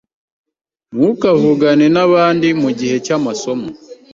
Ntukavugane nabandi mugihe cyamasomo.